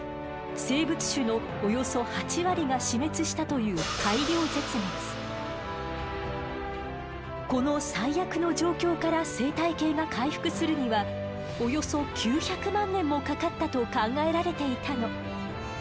生物種のおよそ８割が死滅したというこの最悪の状況から生態系が回復するにはおよそ９００万年もかかったと考えられていたの。